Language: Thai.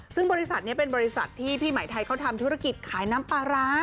ซึ่งบริษัทนี้เป็นบริษัทที่พี่หมายไทยเขาทำธุรกิจขายน้ำปลาร้า